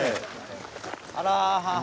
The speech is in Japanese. あら。